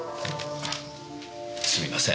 すみません。